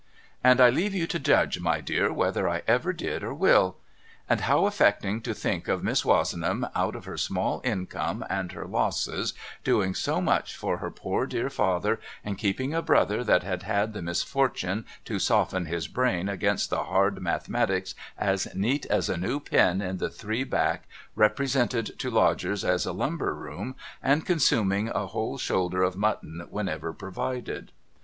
And I leave you to judge my dear whether I ever did or will. And how affecting to think of Miss \\'ozenham out of her small income and her losses doing so much for her poor old father, and keeping a brother that had had the misfortune to soften his brain against the hard mathe matics as neat as a new pin in the three back represented to lodgers as a lumber room and consuming a whole shoulder of mutton whenever provided